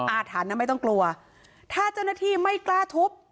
อาถรรพ์นั้นไม่ต้องกลัวถ้าเจ้าหน้าที่ไม่กล้าทุบ